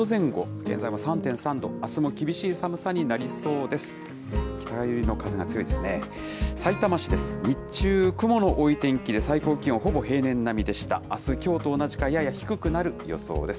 現在も３．３度、あすも厳しい寒さになりそうです。